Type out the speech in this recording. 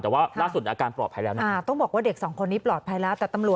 แต่ว่าลักษณะอาการปลอดภัยแล้ว